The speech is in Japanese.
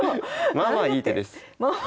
まあまあいい手！